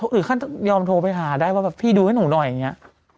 อื่นขั้นยอมโทรไปหาได้ว่าแบบพี่ดูให้หนูหน่อยอย่างนี้